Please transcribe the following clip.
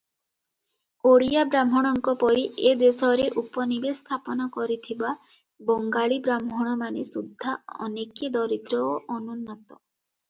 ଓଡ଼ିୟାବ୍ରାହ୍ମଣଙ୍କ ପରି ଏ ଦେଶରେ ଉପନିବେଶ ସ୍ଥାପନ କରିଥିବା ବଙ୍ଗାଳୀବ୍ରାହ୍ମଣମାନେ ସୁଦ୍ଧା ଅନେକେ ଦରିଦ୍ର ଓ ଅନୁନ୍ନତ ।